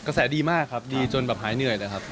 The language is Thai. แสดีมากครับดีจนแบบหายเหนื่อยเลยครับ